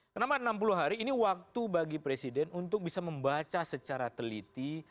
kenapa enam puluh hari ini waktu bagi presiden untuk bisa membaca secara teliti